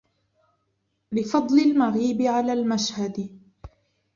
لِفَضْلِ الْمَغِيبِ عَلَى الْمَشْهَدِ